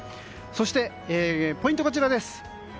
そして、ポイントはこちら。